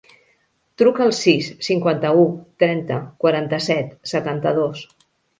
Truca al sis, cinquanta-u, trenta, quaranta-set, setanta-dos.